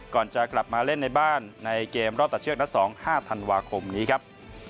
ก่อนจะกลับมาเล่นในบ้านในเกมรอบตัดเชือกนัด๒๕ธันวาคมนี้ครับ